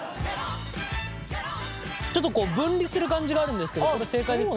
ちょっと分離する感じがあるんですけどこれ正解ですか？